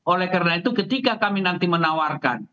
oleh karena itu ketika kami nanti menawarkan